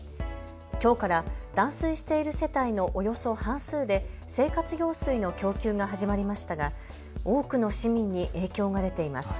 きょうから断水している世帯のおよそ半数で生活用水の供給が始まりましたが多くの市民に影響が出ています。